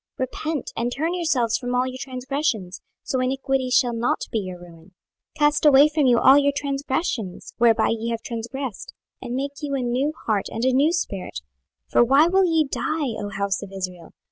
Repent, and turn yourselves from all your transgressions; so iniquity shall not be your ruin. 26:018:031 Cast away from you all your transgressions, whereby ye have transgressed; and make you a new heart and a new spirit: for why will ye die, O house of Israel?